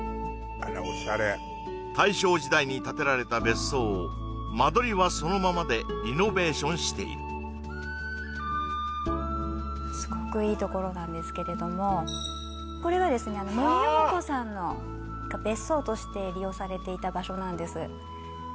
大正時代に建てられた別荘を間取りはそのままでリノベーションしているすごくいいところなんですけれどもこれはですね森瑤子さんの別荘として利用されていた場所なんです